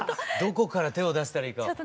どこから手を出したらいいか。